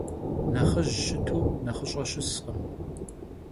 Nexhıj şıtu nexhış'e şıskhım.